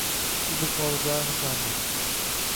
Kubok g‘oliblari aniqlandi